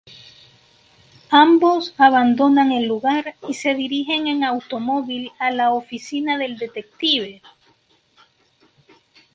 Ambos abandonan el lugar y se dirigen en automóvil a la oficina del detective.